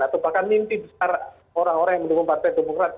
atau bahkan mimpi besar orang orang yang mendukung partai demokrat